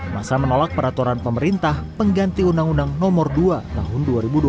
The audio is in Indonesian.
masa menolak peraturan pemerintah pengganti undang undang nomor dua tahun dua ribu dua puluh